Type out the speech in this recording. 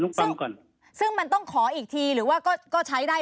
ก่อนซึ่งมันต้องขออีกทีหรือว่าก็ก็ใช้ได้